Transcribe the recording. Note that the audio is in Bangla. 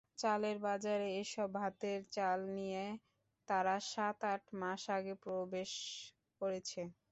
চালের বাজারে এসব ভাতের চাল নিয়ে তারা সাত-আট মাস আগে প্রবেশ করেছে।